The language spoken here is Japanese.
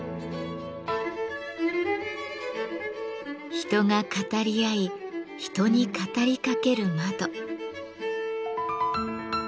人が語り合い人に語りかける窓。